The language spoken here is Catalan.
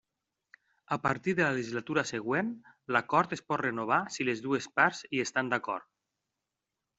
A partir de la legislatura següent, l'Acord es pot renovar si les dues parts hi estan d'acord.